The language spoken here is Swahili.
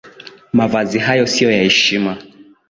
Mavazi hayo sio ya heshima